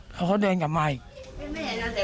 แล้วเขาเดินกลับมาอีก